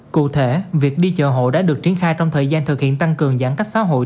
cụ thể việc đi chợ hộ đã được triển khai trong thời gian thực hiện tăng cường giãn cách xã hội